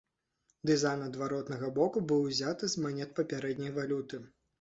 Дызайн адваротнага боку быў узяты з манет папярэдняй валюты.